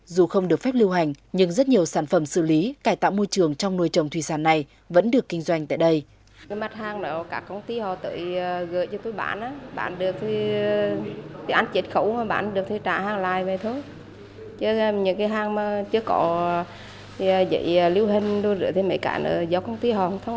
dù không được phép lưu hành nhưng rất nhiều sản phẩm xử lý cải tạo môi trường trong nuôi trồng thủy sản này vẫn được kinh doanh tại đây